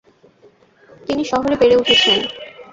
তিনি শহরে বেড়ে উঠেছেন।